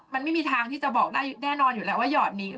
มันไม่มีทางที่จะบอกได้แน่นอนอยู่แล้วว่าหยอดนี้